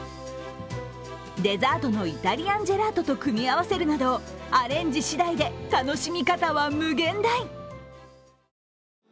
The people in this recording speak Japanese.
デザートのイタリアンジェラートと組み合わせるなどアレンジしだいで楽しみ方は無限大。